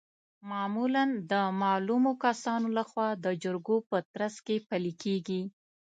معمولا د معلومو کسانو لخوا د جرګو په ترڅ کې پلي کیږي.